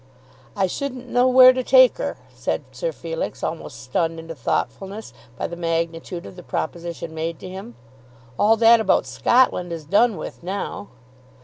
"I shouldn't know where to take her," said Sir Felix, almost stunned into thoughtfulness by the magnitude of the proposition made to him. "All that about Scotland is done with now."